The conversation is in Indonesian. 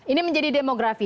ini menjadi demografi